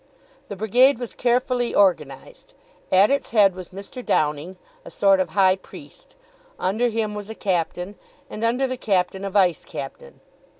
The Brigade was carefully organised. At its head was Mr. Downing, a sort of high priest; under him was a captain, and under the captain a vice captain.